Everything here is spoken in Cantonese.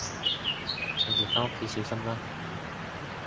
你哋返屋企小心啦